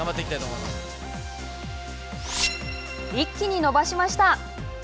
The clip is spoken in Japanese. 一気に伸ばしました。